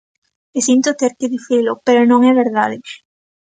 E sinto ter que dicilo, pero non é verdade.